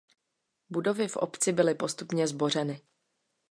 Budovy v obci byly postupně zbořeny.